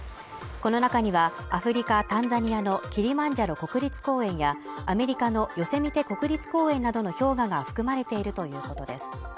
この中にはアフリカ・タンザニアのキリマンジャロ国立公園やアメリカのヨセミテ国立公園などの氷河が含まれているということです